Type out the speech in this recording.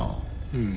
うん。